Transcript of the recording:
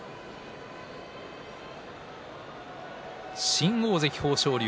新大関豊昇龍